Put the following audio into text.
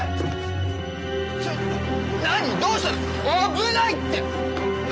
危ないって！